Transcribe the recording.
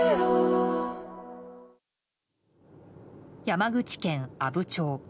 山口県阿武町。